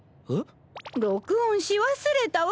録音し忘れたわ。